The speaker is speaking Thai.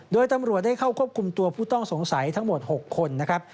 โดยตำรวจได้เข้าควบคุมตัวผู้ต้องสงสัยทั้งหมด๖คนนะครับ